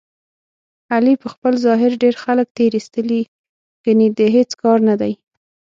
علي په خپل ظاهر ډېر خلک تېر ایستلي، ګني د هېڅ کار نه دی.